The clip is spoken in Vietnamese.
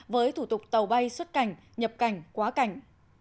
với thủ tục tàu bay xuất cảnh nhập cảnh quá cảnh